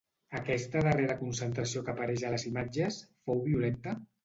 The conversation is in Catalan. Aquesta darrera concentració que apareix a les imatges, fou violenta?